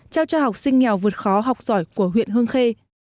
trao cho học sinh nghèo vượt khó học giỏi của huyện hương khê